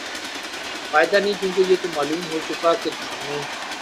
فائدہ نہیں کیونکہ یہ تو معلوم ہوچکا کہ دھرنے